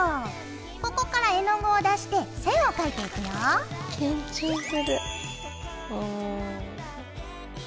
ここから絵の具を出して線を書いていくよ。緊張する。